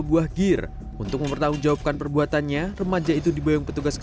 buah gear untuk mempertanggungjawabkan perbuatannya remaja itu diboyong petugas